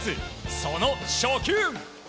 その初球。